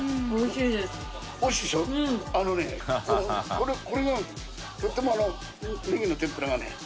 俺これがとてもネギの天ぷらがね。